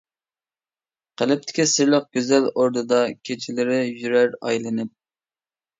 قەلبىدىكى سىرلىق، گۈزەل ئوردىدا، كېچىلىرى يۈرەر ئايلىنىپ.